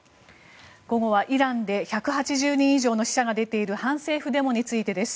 午後はイランで１８０人以上の死者が出ている反政府デモについてです。